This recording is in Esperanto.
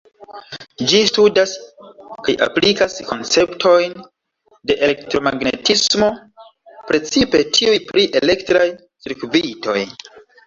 Ĝi studas kaj aplikas konceptojn de elektromagnetismo, precipe tiuj pri elektraj cirkvitoj.